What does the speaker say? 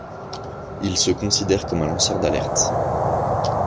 Il se considère comme un lanceur d'alerte.